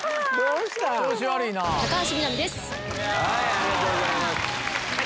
ありがとうございます。